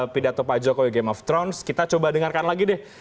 pidato pak jokowi game of thrones kita coba dengarkan lagi deh